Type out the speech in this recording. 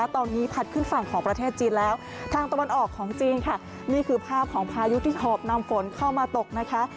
ทางตะวันออกของจีนค่ะนี่คือภาพของพายุที่ถอบนำฝนเข้ามาตกนะคะ